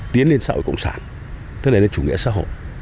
tiến lên xã hội cộng sản tức là lên chủ nghĩa xã hội